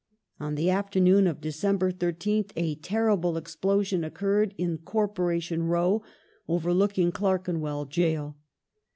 On the afternoon of December 13th a terrible ex plosion occurred in Corporation Row overlooking Clerkenwell Gaol.